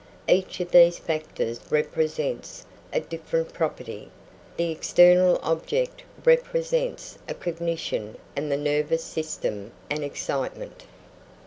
Each of these factors represents a different property: the external object represents a cognition and the nervous system an excitement.